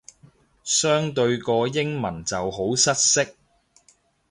相對個英文就好失色